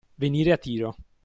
Venire a tiro.